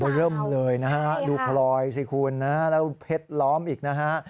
เริ่มเลยนะฮะดูพลอยสิคุณนะแล้วเพชรล้อมอีกนะฮะ